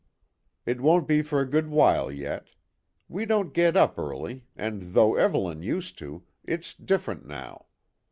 "It won't be for a good while yet. We don't get up early, and though Evelyn used to, it's different now.